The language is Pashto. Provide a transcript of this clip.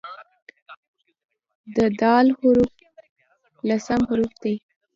د "د" حرف لسم حرف دی.